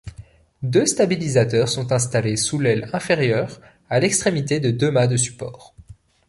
Deux stabilisateurs sont installés sous l'aile inférieure à l'extrémité de deux mats de support.